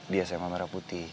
di sma merah putih